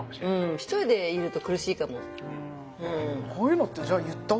一人でいると苦しいかも。